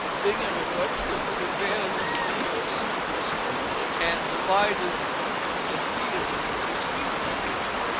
Bingham and Webster took advantage of the need of suitable school books and divided the field between them.